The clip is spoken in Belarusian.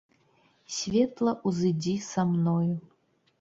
Светла ўзыдзі са мною.